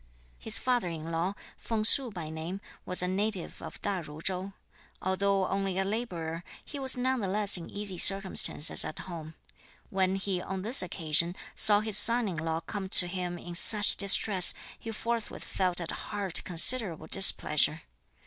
His father in law, Feng Su, by name, was a native of Ta Ju Chou. Although only a labourer, he was nevertheless in easy circumstances at home. When he on this occasion saw his son in law come to him in such distress, he forthwith felt at heart considerable displeasure.